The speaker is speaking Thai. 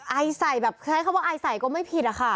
อายใส่แบบใช้คำว่าอายใส่ก็ไม่ผิดล่ะค่ะ